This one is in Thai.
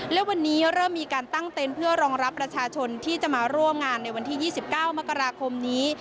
และวันนี้เริ่มมีการตั้งเต็นต์เพื่อรองรับประชาชนที่จะมาร่วมงานในวันที่๒๙มกราคมนี้